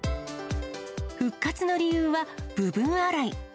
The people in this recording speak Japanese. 復活の理由は部分洗い。